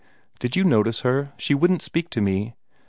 Did you notice her? She wouldn't speak to me.